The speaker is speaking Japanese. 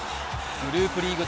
グループリーグ